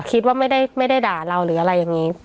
คิดว่าไม่ได้ด่าเราหรืออะไรอย่างนี้